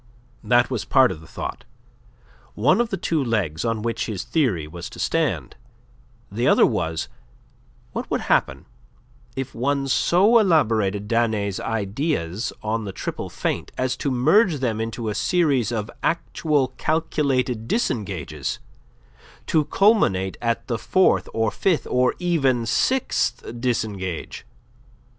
That was part of the thought one of the two legs on which his theory was to stand; the other was: what would happen if one so elaborated Danet's ideas on the triple feint as to merge them into a series of actual calculated disengages to culminate at the fourth or fifth or even sixth disengage?